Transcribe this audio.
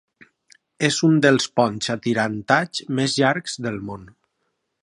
És un dels ponts atirantats més llargs del món.